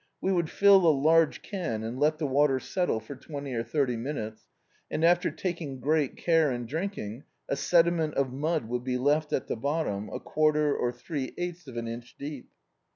We would fill a large can and let the water settle for twenty or thirty minutes, and, after taking great care in drinking, a sediment of mud would be left at the bottom a quarter or three eighths of an inch deep.